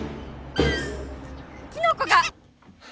キノコが。